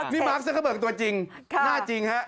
มาร์คซึ่งเขาเบิกตัวจริงหน้าจริงฮะ